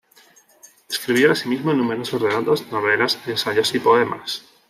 Escribió asimismo numerosos relatos, novelas, ensayos y poemas.